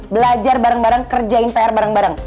belajar bareng bareng kerjain pr bareng bareng